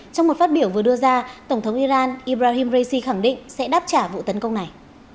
trong một phát biểu vừa đưa ra tổng thống iran ibrahim raisi khẳng định sẽ đáp trả vụ tấn công này